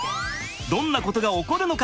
どんなことが起こるのか？